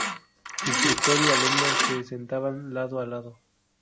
Instructor y alumno se sentaban lado a lado.